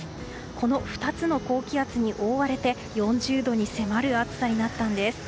この２つの高気圧に覆われて４０度に迫る暑さになったんです。